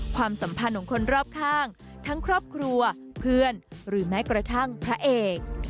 ความสัมพันธ์ของคนรอบข้างทั้งครอบครัวเพื่อนหรือแม้กระทั่งพระเอก